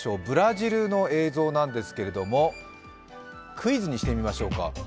ブラジルの映像なんですがクイズにしてみましょうか。